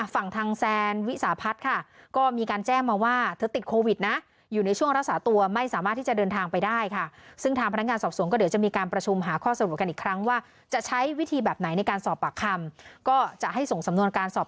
ฝั่งทางแซนวิสาพัฒน์ค่ะก็มีการแจ้งมาว่า